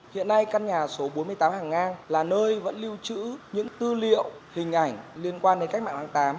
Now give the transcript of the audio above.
hiện nay căn nhà số bốn mươi tám hàng ngang là nơi vẫn lưu trữ những tư liệu hình ảnh liên quan đến cách mạng tháng tám